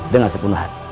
dengan sepenuh hati